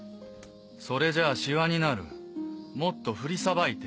それじゃシワになるもっと振りさばいて。